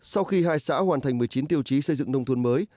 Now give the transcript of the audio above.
sau khi hai xã hoàn thành một mươi chín tiêu chí xây dựng nông thôn mới